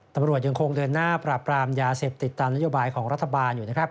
ตำรวจยังคงเดินหน้าปราบปรามยาเสพติดตามนโยบายของรัฐบาลอยู่นะครับ